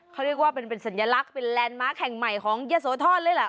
เขาเรียกว่าเป็นสัญลักษณ์เป็นแลนด์มาร์คแห่งใหม่ของยะโสธรเลยล่ะ